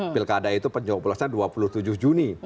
pilkada itu pencoblosan dua puluh tujuh juni